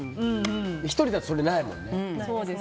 １人だとそれないもんね。